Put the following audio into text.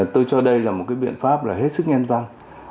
tôi cho đây là một biện pháp hết sức nhân văn